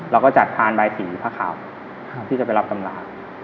เราก็จัดพานใบสีผ้าขาวที่จะไปรับตำรา